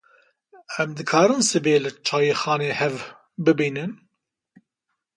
Em dikarin sibê li çayîxanê hev bibînin ?